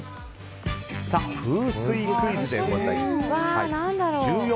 風水クイズでございます。